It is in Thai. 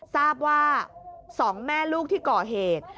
ทราบว่า๒แม่ลูกที่ก่อเหตุ